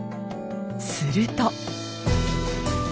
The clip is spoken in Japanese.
すると。